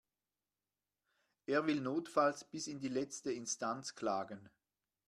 Er will notfalls bis in die letzte Instanz klagen.